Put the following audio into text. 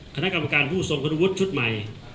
คณะกรรมการผู้ทรงคุณวุฒิชุดใหม่